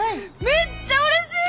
めっちゃうれしい！